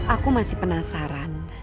aku masih penasaran